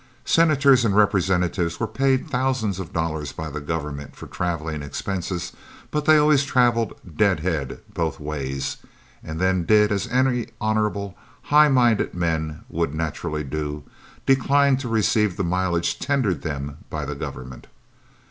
Senators and representatives were paid thousands of dollars by the government for traveling expenses, but they always traveled "deadhead" both ways, and then did as any honorable, high minded men would naturally do declined to receive the mileage tendered them by the government.